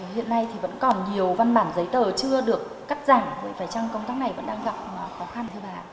hiện nay thì vẫn còn nhiều văn bản giấy tờ chưa được cắt giảm phải chăng công tác này vẫn đang gặp khó khăn thưa bà